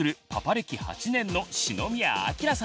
暦８年の篠宮暁さん。